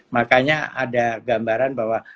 makanya ada gambaran bahwa